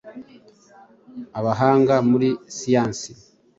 Abahanga muri siyansi